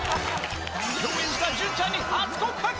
共演した潤ちゃんに初告白。